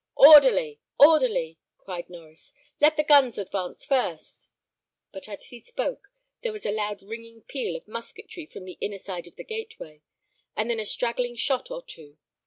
"Orderly, orderly!" cried Norries; "let the guns advance first." But as he spoke, there was a loud ringing peal of musketry from the inner side of the gateway, and then a straggling shot or two.